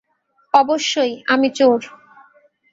অবশ্যই, আমি চোর।